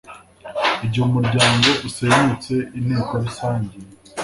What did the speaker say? igihe umuryango usenyutse inteko rusange